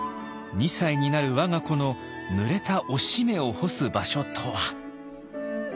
二歳になる我が子の濡れたおしめを干す場所とは。